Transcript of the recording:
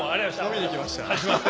飲みに来ました。